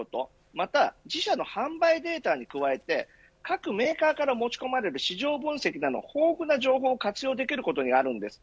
また、自社の販売データに加えて各メーカーから持ち込まれる市場分析などの豊富な情報を活用できることにあるんです。